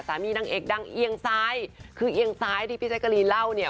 สามีดั่งเอ็กซ์ดั่งเอียงซ้ายคือเอียงซ้ายที่พี่ใช้กะลีเล่าเนี่ย